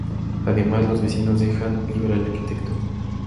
Además, los vecinos dejan libre al arquitecto.